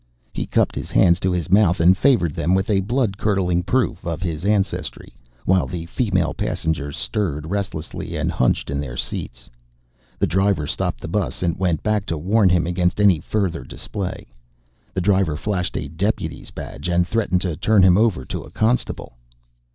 He cupped his hands to his mouth and favored them with a blood curdling proof of his ancestry, while the female passengers stirred restlessly and hunched in their seats. The driver stopped the bus and went back to warn him against any further display. The driver flashed a deputy's badge and threatened to turn him over to a constable.